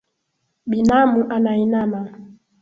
Binamu anainama.